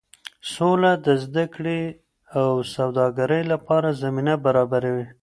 سوله د زده کړې او سوداګرۍ لپاره زمینه برابروي.